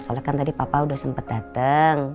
soalnya kan tadi papa udah sempet dateng